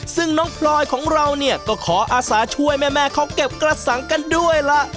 ซึ่งน้องพลอยของเราเนี่ยก็ขออาสาช่วยแม่เขาเก็บกระสังกันด้วยล่ะ